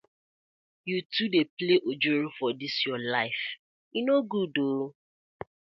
Yu too dey play ojoro for dis yu life, e no good ooo.